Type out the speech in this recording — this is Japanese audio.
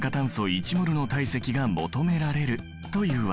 １ｍｏｌの体積が求められるというわけ。